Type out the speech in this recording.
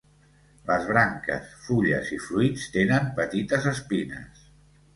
Les branques, fulles i fruits tenen petites espines.